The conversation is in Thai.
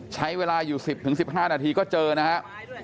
ใช้เวลาอยู่๑๐๑๕นาทีก็เจอนะครับ